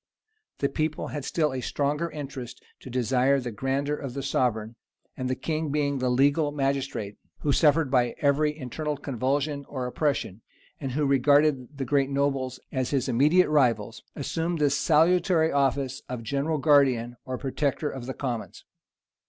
The people had still a stronger interest to desire the grandeur of the sovereign; and the king, being the legal magistrate, who suffered by every internal convulsion or oppression, and who regarded the great nobles as his immediate rivals, assumed the salutary office of general guardian or protector of the commons.